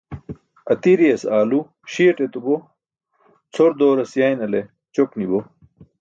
Atiriyas aalu śiyate etubo, cʰor dooras yaynale ćok ni bo.